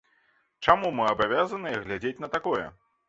Чаму мы абавязаныя глядзець на такое?